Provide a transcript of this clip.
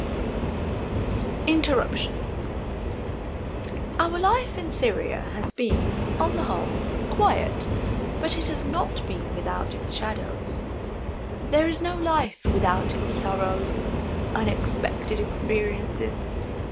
CHAPTER XI INTERRUPTIONS Our life in Syria has been, on the whole, quiet, but it has not been without its shadows. There is no life without its sorrows and unexpected experiences.